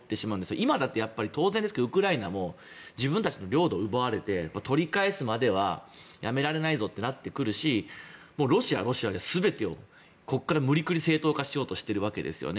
今だって当然ですけどウクライナも自分たちの領土を奪われて取り返すまではやめられないぞとなってくるしロシアはロシアで全てをここから無理くり正当化しようとしているわけですよね。